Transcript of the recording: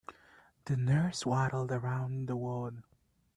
The nurse waddled around the ward.